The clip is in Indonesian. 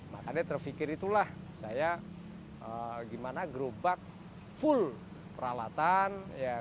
makanya terfikir itulah saya gimana gerobak full peralatan